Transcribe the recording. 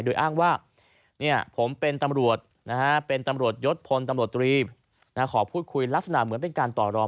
โดยอ้างว่าผมเป็นตำรวจเป็นตำรวจยศพลตำรวจตรีขอพูดคุยลักษณะเหมือนเป็นการต่อรอง